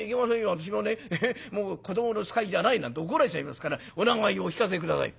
私もね子どもの使いじゃないなんて怒られちゃいますからお名前をお聞かせ下さい」。